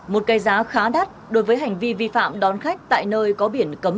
một cây giá khá đắt đối với hành vi vi phạm đón khách tại nơi có biển cấm rừng cấm đỗ